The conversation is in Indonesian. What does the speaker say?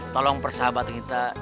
tolong persahabatan kita